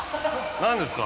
何ですか？